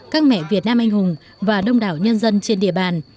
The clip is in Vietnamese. các mẹ việt nam anh hùng và đông đảo nhân dân trên địa bàn